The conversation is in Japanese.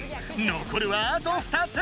残るはあと２つ！